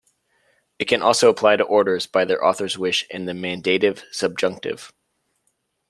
It can also apply to orders by their author's wish in the "mandative subjunctive".